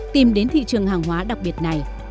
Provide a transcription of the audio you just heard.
tìm đến thị trường hàng hóa đặc biệt này